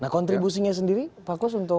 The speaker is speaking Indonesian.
nah kontribusinya sendiri pak kus untuk